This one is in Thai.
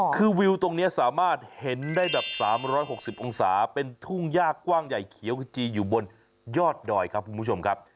คือวิวตรงนี้สามารถเห็นได้แบบ๓๖๐องศาเป็นทุ่งยากกว้างใหญ่เขียวขจีอยู่บนยอดดอยครับคุณผู้ชมครับ